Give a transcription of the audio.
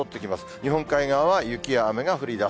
日本海側は雪や雨が降りだす。